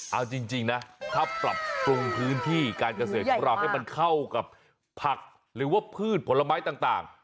เอาจริงนะถ้าปรับปรุงพื้นที่การเกษตรของเราให้มันเข้ากับผักหรือว่าพืชผลไม้ต่าง